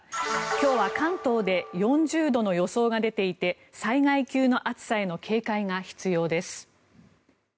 今日は関東で４０度の予想が出ていて災害級の暑さへの警戒が必要です。